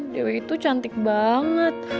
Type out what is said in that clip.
dewi itu cantik banget